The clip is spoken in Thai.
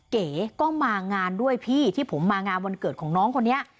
เก๋ก็มางานด้วยพี่ที่ผมมางานวันเกิดของน้องคนนี้